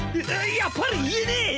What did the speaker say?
やっぱりいえねえ！